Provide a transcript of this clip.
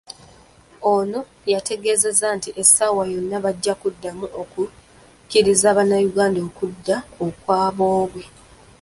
Ono yategeezezza nti essaawa yonna bajja kuddamu okukkiriza Abanayuganda okudda okwa boobwe.